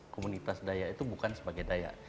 komunitas daya itu bukan sebagai daya